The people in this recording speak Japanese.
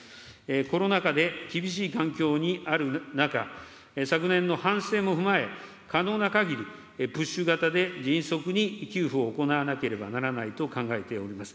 コロナ禍で厳しい環境にある中、昨年の反省も踏まえ、可能なかぎり、プッシュ型で迅速に給付を行わなければならないと考えております。